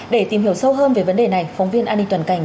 để tìm hiểu sâu hơn về vấn đề này phóng viên ani toàn cảnh